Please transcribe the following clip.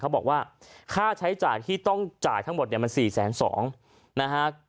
เขาบอกว่าค่าใช้จ่ายที่ต้องจ่ายทั้งหมดเนี่ยมัน๔๒๐๐นะฮะ